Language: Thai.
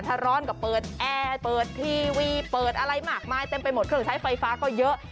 ถ้าร้อนก็เปิดแอร์เปิดทีวีเปิดอะไรมากมายเต็มไปหมดเครื่องใช้ไฟฟ้าก็เยอะ